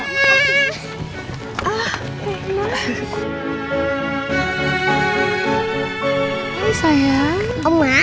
nih gimana berdua kan